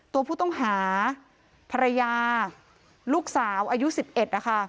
ตัวผู้ต้องหาภรรยาลูกสาวอายุ๑๑นะคะ